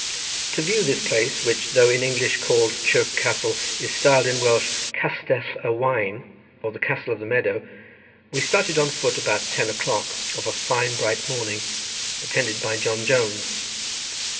To view this place which, though in English called Chirk Castle, is styled in Welsh Castell y Waen, or the Castle of the Meadow, we started on foot about ten o'clock of a fine bright morning, attended by John Jones.